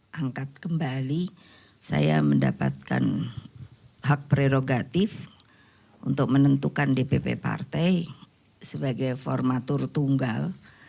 saya angkat kembali saya mendapatkan hak prerogatif untuk menentukan dpp partai sebagai formatur tunggal